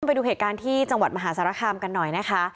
ไปดูเหตุการณ์ที่จังหวัดมหาสารคามกันหน่อยนะคะ